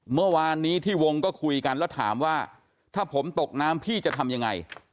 เมื่อวานนี้ที่วงก็คุยกันแล้วถามว่าถ้าผมตกน้ำพี่จะทำยังไง